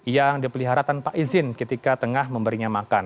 yang dipelihara tanpa izin ketika tengah memberinya makan